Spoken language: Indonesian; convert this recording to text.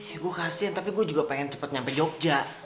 eh gue kasian tapi gue juga pengen cepet nyampe jogja